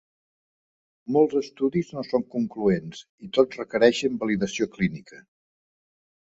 Molts estudis no són concloents i tots requereixen validació clínica.